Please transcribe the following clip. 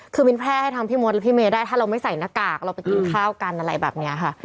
คือมินแพร่ให้ทั้งพี่มดหรือพี่เมย์ได้ถ้าเราไม่ใส่หน้ากากเราไปกินข้าวกันอะไรแบบนี้ค่ะ